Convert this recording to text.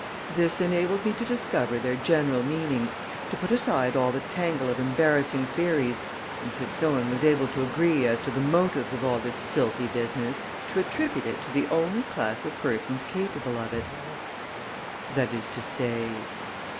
This enabled me to discover their general meaning, to put aside all the tangle of embarrassing theories and, since no one was able to agree as to the motives of all this filthy business, to attribute it to the only class of persons capable of it." "That is to say?"